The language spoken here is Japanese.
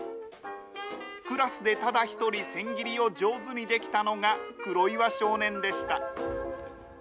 クラスでただ１人、千切りを上手にできたのが黒岩少年でした。